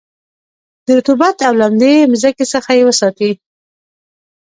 د رطوبت او لمدې مځکې څخه یې وساتی.